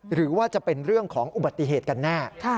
หรือว่าจะเป็นเรื่องของอุบัติเหตุกันแน่